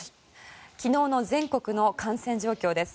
昨日の全国の感染状況です。